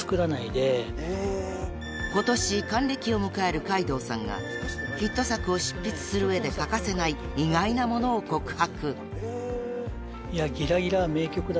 ［今年還暦を迎える海堂さんがヒット作を執筆する上で欠かせない意外なものを告白］